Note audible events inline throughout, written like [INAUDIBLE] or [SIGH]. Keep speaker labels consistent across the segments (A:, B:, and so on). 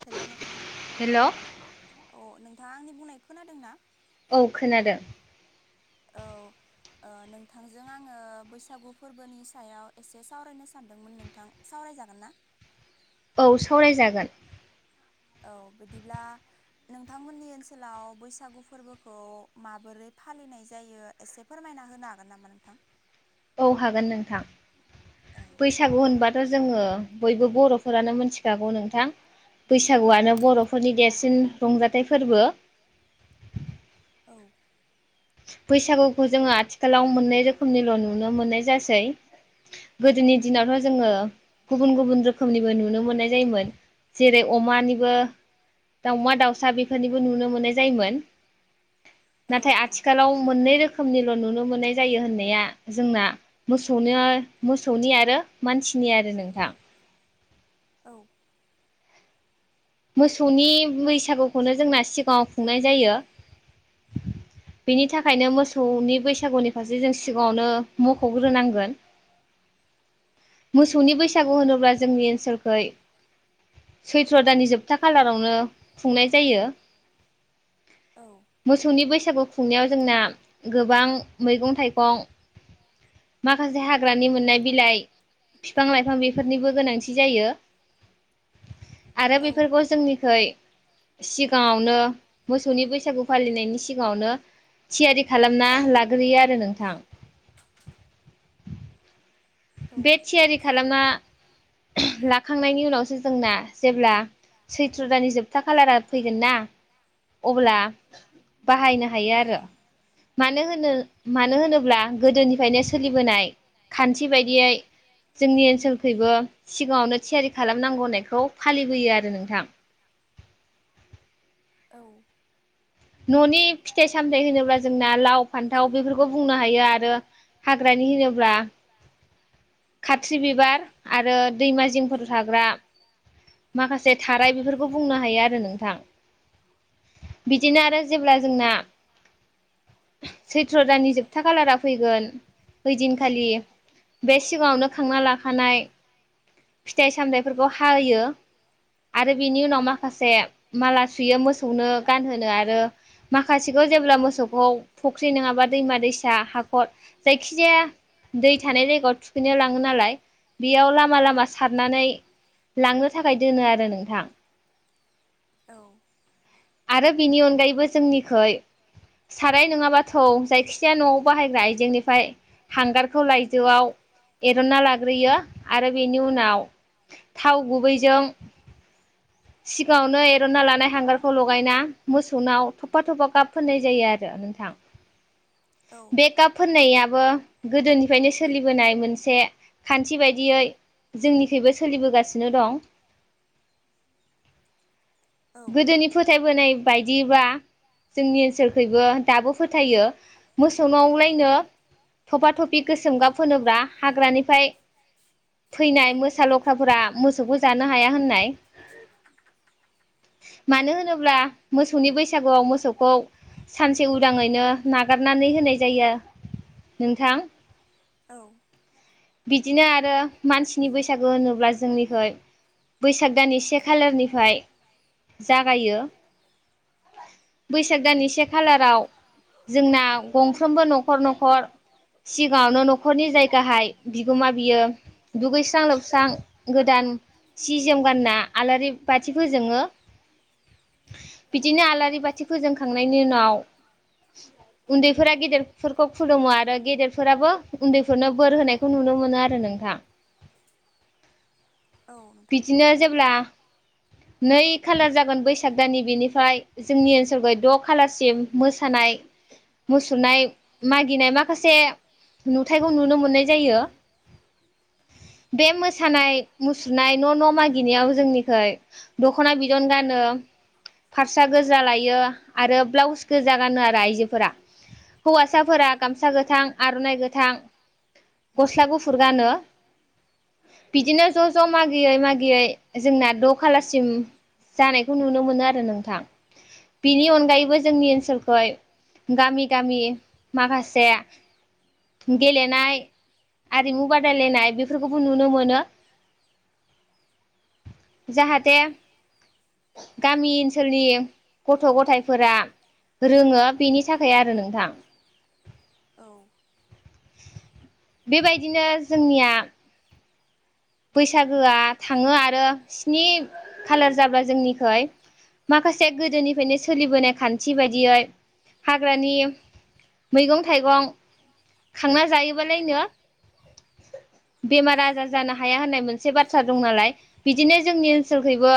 A: हेल' अ नोंथाङा आंनि बुंनाय खोनादों ना?
B: औ खोनादों।
A: नोंथांजों आङो बैसागु फोरबोनि सायाव एसे सावरायनो सानदोंमोन नोंथां सावराय जागोन ना?
B: औ सावरायजागोन।
A: औ बिदिब्ला नोंथांमोननि ओनसोलाव बैसागु फोरबोखौ माबोरै फालिनाय जायो एसे फोरमायना होनो हागोन नामा नोंथां?
B: औ हागोन नोंथां। बैसागु होनबाथ' जोङो बयबो बर'फोरानो मोनथिखागौ नोंथां। बैसागुआनो बर'फोरनि देरसिन रंजाथाइ फोरबो।
A: [INAUDIBLE]
B: बैसागुखौ जोङो आथिखालाव मोननै रोखोमनिल' नुनो मोननाय जासै। गोदोनि दिनावथ' जोङो गुबुन गुबुन रोखोमनिबो नुनो मोननाय जायोमोन। जेरै अमानिबो दाउमा दाउसा बेफोरनिबो नुनो मोननाय जायोमोन। नाथाय आथि मोननै रोखोमनिल' नुनो मोननाय जायो होननाया जोंना मोसौनि आरो मानसिनि आरो नोंथां।
A: औ‌।
B: मोसौनि बैसागुखौनो जोंना सिगाङाव खुंनाय जायो। बिनि थाखायनो मोस मोसौनि बैसागुनि फारसे जों सिगाङावनो मख'ग्रोनांगोन। मोसौनि बैसागु होनोब्ला जोंनि ओनसोलखै सैथ्र' दाननि जोब खालारावनो खुंनाय जायो। मोसौनि बैसागु खुंनायाव जोंना गोब बां मैगं थाइगं माखासे हाग्रानि मोननाय बिलाइ। बिफां लाइफां बेफोरनिबो गोनांथि जायो। आरो बेफोरफोरखौ जोंनिखै सिगाङावनो मोसौनि बैसागु फालिनायनि सिगाङावनो थियारि खालामना लाग्रोयो आरो नोंथां।
A: [INAUDIBLE]
B: बे थियारि खालामना लाखांनायनि उनावसो जोंना जेब्ला सैथ्र' दानि जोबथा खालारा फैगोन ना अब्ला बाहायनो हायो आरो। मानो होनो मानो होनोब्ला गोदोनिफ्रायनो सोलिबोनाय खान्थि बाय दियै जोंनि ओनसोलखैबो सिगाङावनो थियारि खालामनांगौ होननायखौ फालिबोय यो आरो नोंथां।
A: औ।
B: न'नि फिथाइ -सामथाय होनोब्ला जोंना लाव, फान्थाव बेफोरखौ बुंनो हायो आरो हाग्रानि होनोब्ला खाथ्रि बिबार आरो दैमा जिंफोराव थाग्रा माखासे थाराय बेफोरखौ बुंनो हायो आरो नोंथां बिदिनो आरो जेब्ला जोंना सैथ्र' दाननि जोबथा खालारा फैगोन ओइदिनखालि बे सिगाङावनो खांना लाखानाय फिथाइ - सामथायाइफोरखौ हायो आरो बेनि उनाव माखासे माला सुयो मोसौनो गानहोनो आरो माखासे गासिखौ जेब्ला मोसौखौ फुख्रि नङाबा दैमा - दैसा हाखर जायखिजाया दै थानाय जायगायाव थुखैनो लाङो नालाय बेयाव लामा लामा सारनानै लाङो थाखाय दोनो आरो नोंथां
A: औ
B: आरो बिनि अनगायैबो साराय नङाबा थोव जायखिजाया न'आव बाहायग्रा आइजेंनिफ्राय हांगारखौ लाइजोआव एरना लाग्रोयो आरो बेनि उनाव थाव गुबैजों सिगाङावनो एरना लानाय हांगारखौ लगायना मोसौनाव थफा- थफा गाब फोननाय जायो आरो ओनोंथां
A: औ
B: बेकआप फोनायाबो गोदोनिफ्रायनो सोलिबोनाय मोनसे खान्थि बायदियै जोंनिखैइबो सोलिबोगासिनो दं
A: [INAUDIBLE]
B: गोदोनि फोथायबोनाय बायदिबा जोंनि बिसोरखैबो दाबो फोथायो मोसौनावलायनो थफा - थफि गोसोम गाब फोब्ला हाग्रानिफाय फैनाय मोसा, लख्राफोरा मोसौखौ जानो हाया होननाय
A: [UNINTELLIGIBLE]
B: मानो होनोब्ला मोसौनि बैसागुआव मोसौखौ सानसे उदाङैनो नागारनानै होनाय जायो नोंथां
A: औ
B: बिदिनो आरो मानसिनि बैसागु होनोब्ला जोंनिखै बैसाग दानानि से खालारनिफाय जागायो बैसाग दाननि से खालाराव जोंना गंफ्रोमबो न'खर - न'खर सिगाङावनो न'खरनि जायगाहाय बिगोमा बियो दुगैस्रां- लोबस्रां गोद गोदान सि जोम गानना आलारि बाथि फोजोंङो बिदिनो आलारि बाथि फोजोंखांनायनि उनाव उन्दैफोरा गेदेरफोरखौ खुलुमो आरो गेदेरफोराबो उन्दैफोरनो बोर होनाय मोनो आरो नोंथां बिदिनो जेब्ला
A: [INAUDIBLE]
B: नै खालार जागोन बैसाग दाननि बेनिफ्राय जोंनि ओनसोलखौ द' खालारसिम मोसानाय मुसुनाय मागिनाय माखासे नुथायखौ नुनो मोननाय जायो बे मोसानाय मुसु सुनाय न' - न' मागिनायाव जोंनिखै दख'ना बिदन गानो पारसा गोजा लायो आरो ब्लाउस गोजा गानो आरो आइजोफोरा हौवासाफोरा गामसा गोथां आर'नाइ गोथां गस्ला गुफुर गानो बिदिनो ज' - ज' मागियै मागियै जोंना द' खालासिम जानायखौ नुनो मोनो आरो नोंथां बिनि अनगायैबो जोंनि ओनसोलखै गामि गामि माखासे गेलेनाय आरिमु बादायलायनाय बेफोरखौबो नुनो मोनो जाहाथे गामि ओनसोलनि गथ' गथायफोरा रोङो बेनि थाखाय आरो नोंथां।
A: औ
B: बेबायदिनो जोंनिया बैसागोआ थांङो आरो स्नि खालार जाबा जोंनिखै माखासे गोदोनिफ्रायनो सोलिबोनाय खान्थि बायदियै हाग्रानि मैगं थाइगं खांना जायोबालायनो बेमार आजार जानो हा हाया होननाय मोनसे बाथ्रा दं नालाय बिदिनो जोंनि ओनसोलखैबो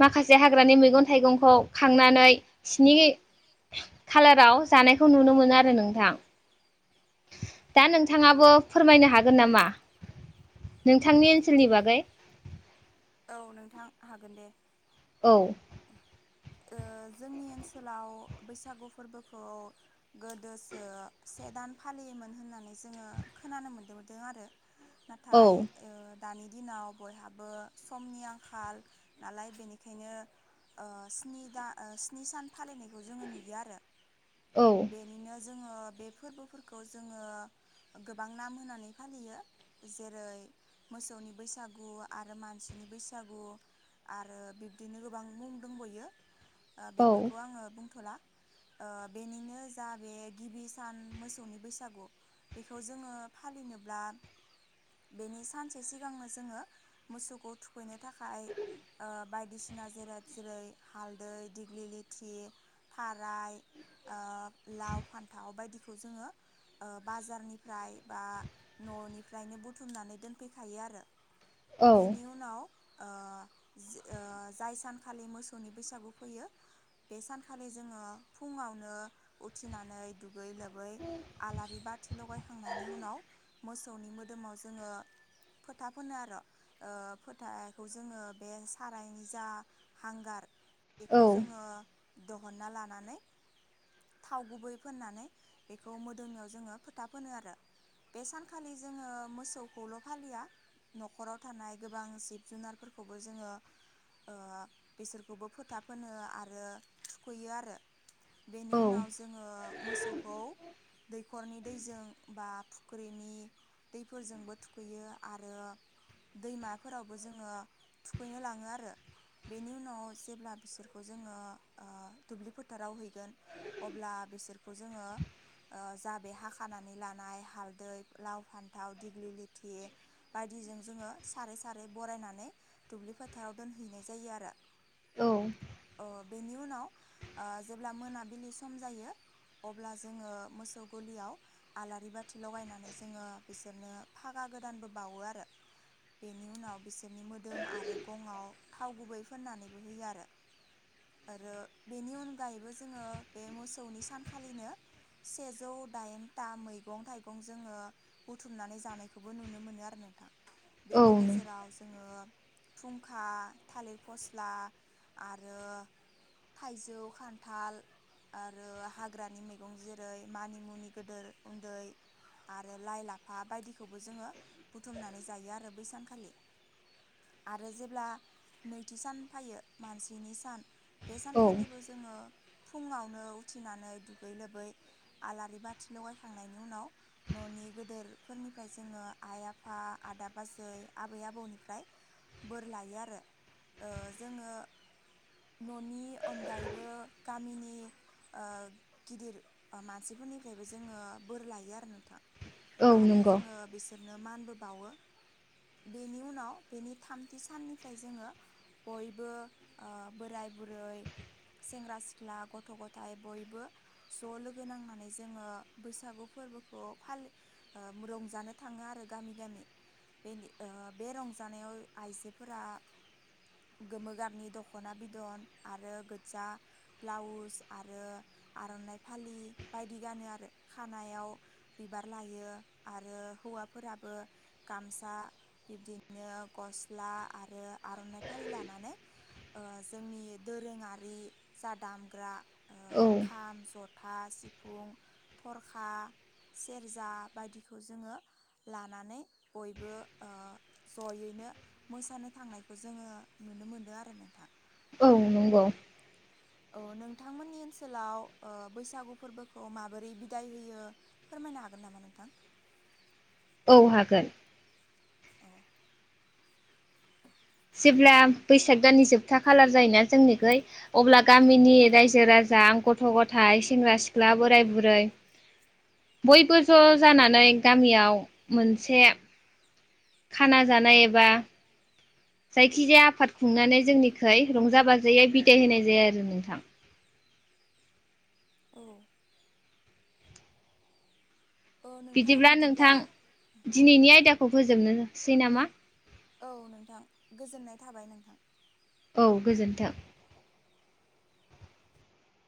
B: माखासे हाग्रानि मैगं थाइगंखौ खांनानै स्नि कालाराव जानायखौ नुनो मोनो आरो नोंथां। दा नोंथाङाबो फोरमायनो हागोन नामा? नोंथांनि ओनसोलनि बागै।
A: औ नोंथां हागोन दे ओ जोंनि ओनसोलाव बैसागु फोरबोखौ गोदोसो से दान फालि योमोन होननानै जोङो खोनानो मोनदोंबोदों आरो नाथाय ओ दानि दिनाव बयहाबो समनि आंखाल नालाय बेनिखायनो ओ स्नि दान ओ स्नि सान फालिनायखौ जोङो नुयो आरो बेनिनो जोङो बे फोरबोफोरखौ जोङो गोबां नाम होनानै फालियो जेरै मोसौनि बैसागु आरो मानसिनि बैसागु आरो बिब्दिनो गोबां मुं दंबावो ओ बेफोरखौ आङो बुंथ'ला। ओ बेनिनो जा बे गिबि सान मोसौनि बैसागु बेखौ जोङो फालिनोब्ला बेनि सानसे सिगांनो जोङो मोसौखौ थुखैनो थाखाय ओ बायदिसिना जेरै जेरै हालदै दिग्लि लिथि थाराय ओ लाव फान्थाव बायदिखौ जोङो ओ बाजारनिफ्राय बा न'निफ्रायनो बुथुमनानै दोनफैखायो आरो बेनि उनाव ओ जो जाय सान सानखालि मोसौनि बैसागु फैयो बे सानखालि जोङो फुङावनो उथिनानै दुगै लोबै आलारि बाथि लगायखांनायनि उनाव मोसौनि मोदोमाव जोङो फोथा फोनो आरो ओ फोथाखौ जोङो बे सारायनि जा हांगार बेखौ जोङो दिहुनना लानानै थाव गुबै फोननानै बेखौ मोदोमयाव जोङो फोथा फोनो आरो बे सानखालि जोङो मोसौखौल' फालिया न'खराव थानाय गोबां जिब जुनारफोरखौबो जोङो ओ बिसोरखौबो फोथा फोनो आरो थुखैयो आरो बेनि उनाव जोङो मोसौखौ दैख'रनि दैजों बा फुख्रिनि दैफोरजोंबो थुखैयो आरो दैमाफोरावबो जोङो थुखैनो लाङो आरो बेनि उनाव जेब्ला बिसोरखौ जोङो ओ दुब्लि फोथाराव हैगोन अब्ला बिस बिसोरखौ जोङो ओ जा बे हाखानानै लानाय हालदै लाव फान्थाव दिग्लि लिथि बायदि बिजों जोङो सारै सारै बरायनानै दुब्लि फोथाराव दोनहैनाय जायो आरो [UNINTELLIGIBLE] अ' बेनि उनाव ओ जेब्ला मोनाबिलि सम जायो अब्ला जोङो मोसौ गलियाव आलारि बाथि लगायनानै जोङो बिसोरनो फागा गोदानबो बावो आरो बेनि उनाव बिसोरनि मोदोम आरो गंआव थाव गुबै फोननानैबो होयो आरो आरो बेनि अनगायैबो जोङो बे मोसौनि सानखालिनो सेजौ दाइनथा मैगं थाइगं जोङो बुथुमनानै जानायखौबो नुनो मोनो आरो नोंथां। बेनि गेजेराव जोङो फुंखा थालिर फस्ला आरो थाइजौ खान्थाल आरो हाग्रानि मैगं जेरै मानिमुनि गोदेर उन्दै आरो लाइ लाफा बायदिखौबो जोङो बुथुमनानै जायो आरो बे सानखालि। आरो जेब्ला नैथि सान फायो मानसिनि सान बे सानखालिबो जोङो फुङावनो उथिनानै दुगै लोबै आलारि बाथि लगायखांनायनि उनाव न' नि गोदोरफोरनिफ्राय जोङो आइ आफा आदा बाजै आबै आबौनिफ्राय बोर लायो आरो ओ जोङो न'नि अनगायैबो गामिनि ओ गिदिर मानसिफोरनिफ्रायबो जोङो बोर लायो आरो नोंथां। आरो जोङो बिसोर नो मानबो बावो बेनि उनाव बेनि थामथि साननिफ्राय जोङो बयबो ओ बोराय बुरै सेंग्रा सिख्ला गथ' गथाइ बयबो ज' लोगो नांनानै जोङो बैसागु फोर बोखौ फालि ओ रंजानो थाङो आरो गामि, गामि। बे ओ बे रंजानायाव आइजोफोरा गोमो गाबनि दख'ना बिदन आरो गोजा ब्लाउस आरो आर'नाइ फालि बायदि गानो आरो खानायाव बिबार लायो आरो हौवाफोराबो गामसा बिब्दिनो गस्ला आरो आर'नाइ फारि लानानै ओ जोंनि दोरोङारि जा दामग्रा ओ खाम, जथ था सिफुं थरखा सेरजा बायदिखौ जोङो लानानै बयबो ओ ज'यैनो मोसानो थांनायखौ जोङो नुनो मोनो आरो नोंथां।
B: औ नंगौ।
A: औ नोंथांमोननि ओनसोलाव ओ बैसागु फोरबोखौ माबोरै बिदाय होयो फोरम मायनो हागोन नामा नोंथां?
B: औ हागोन। जेब्ला बैसाग दाननि जोबथा खालार जायोना जोंनिखै अब्ला गामिनि रायजो राजा आं गथ' गथाइ, सेंग्रा सिख्ला, बोराय बुरै बयबो ज' जानानै गामियाव मोनसे खाना जानाय एबा जायखिजाया आफाद खुंनानै जोंनिखै रंजा बाजायै बिदाय होनाय जायो आरो नोंथां।
A: औ।
B: बिदिब्ला नोंथां दिनैनि आयदाखौ फोजोबनोसै नामा?
A: औ नोंथां गोजोननाय थाबाय नोंथां।
B: औ गोजोन्थों।